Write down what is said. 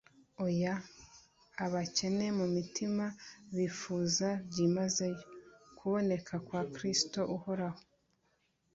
oya; abakene mu mutima, bifuza byimazeyo kuboneka kwa kristo uhoraho,